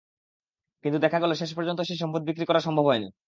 কিন্তু দেখা গেল, শেষ পর্যন্ত সেই সম্পদ বিক্রি করা সম্ভব হয়নি।